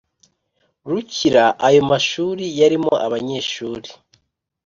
Rukira ayo mashuri yarimo abanyeshuri